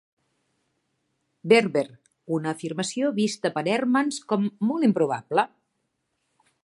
Berber, una afirmació vista per Hermans com "molt improbable".